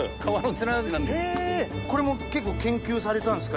これも結構研究されたんですか？